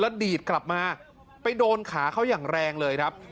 ดีดกลับมาไปโดนขาเขาอย่างแรงเลยครับ